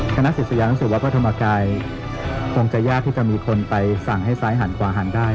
คณะศิษยานุสิตวัดพระธรรมกายคงจะยากที่จะมีคนไปสั่งให้ซ้ายหันขวาหันได้